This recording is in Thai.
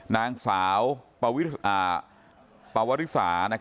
การงานหน้านางสาว